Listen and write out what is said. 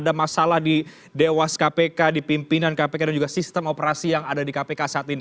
ada masalah di dewas kpk di pimpinan kpk dan juga sistem operasi yang ada di kpk saat ini